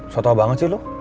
sotoh banget sih lo